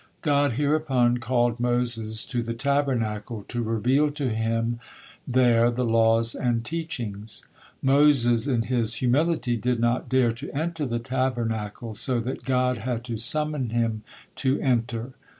God hereupon called Moses to the Tabernacle, to reveal to him there the laws and teachings. Moses in his humility did not dare to enter the Tabernacle, so that God had to summon him to enter.